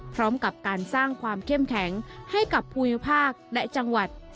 พร้อมกับการสร้างความเข้มแข็งให้กับภูมิภาคและจังหวัด